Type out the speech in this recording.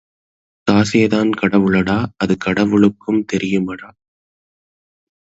காசேதான் கடவுளடா அது கடவுளுக்கும் தெரியுமடா.